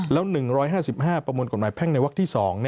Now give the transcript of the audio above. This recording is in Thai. แล้ว๑๕๕ประมวลกฎหมายแพ่งในวักที่๒